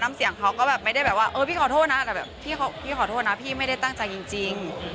เสียงเขาก็แบบไม่ได้แบบว่าเออพี่ขอโทษนะแต่แบบพี่ขอโทษนะพี่ไม่ได้ตั้งใจจริง